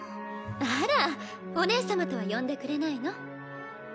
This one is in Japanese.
あらお姉様とは呼んでくれないの？